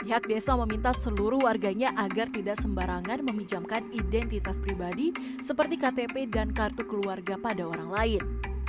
pihak desa meminta seluruh warganya agar tidak sembarangan meminjamkan identitas pribadi seperti ktp dan kartu keluarga pada orang lain